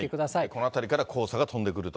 このあたりから黄砂が飛んでくると。